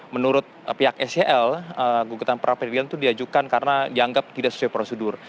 menurut pihak sel gugatan pra peradilan itu diajukan karena dianggap tidak sesuai prosedur